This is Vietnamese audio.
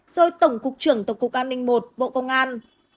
rồi tổng cục trưởng tổng cục an ninh một bộ công an